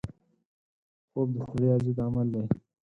خوب د ستړیا ضد عمل دی